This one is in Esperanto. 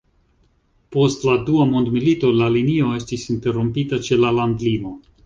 Post la Dua Mondmilito la linio estis interrompita ĉe la landlimo.